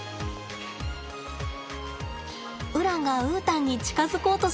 ウランがウータンに近づこうとします。